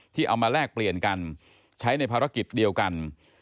เอามาแลกเปลี่ยนกันใช้ในภารกิจเดียวกัน